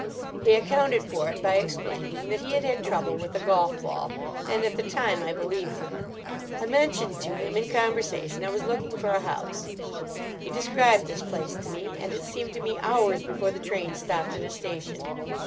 He accounted for it by explaining that he had had trouble with a golf ball, and at the time I believed him. I mentioned to him in conversation I was looking for a house. He described this place to me, and it seemed to me hours before the train stopped at a station.